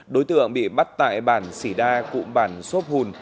đối tượng bị bắt tại bản sỉ đa cụm bản xốp hùn